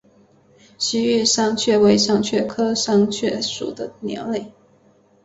西域山雀为山雀科山雀属的鸟类。